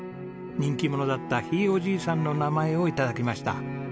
人気者だったひいおじいさんの名前を頂きました。